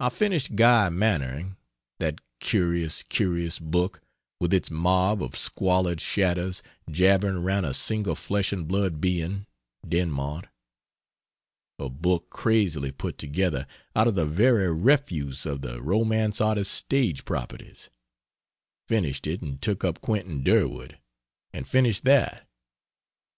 I finished Guy Mannering that curious, curious book, with its mob of squalid shadows jabbering around a single flesh and blood being Dinmont; a book crazily put together out of the very refuse of the romance artist's stage properties finished it and took up Quentin Durward, and finished that.